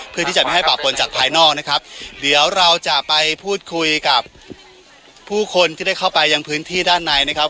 เพื่อที่จะไม่ให้ป่าปนจากภายนอกนะครับเดี๋ยวเราจะไปพูดคุยกับผู้คนที่ได้เข้าไปยังพื้นที่ด้านในนะครับ